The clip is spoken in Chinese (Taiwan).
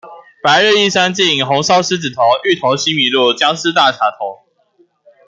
白日依山盡，紅燒獅子頭，芋頭西米露，薑絲大腸頭